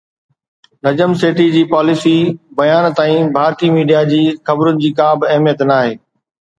نجم سيٺي جي پاليسي بيان تائين ڀارتي ميڊيا جي خبرن جي ڪا به اهميت ناهي